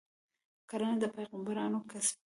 کرنه د پیغمبرانو کسب دی.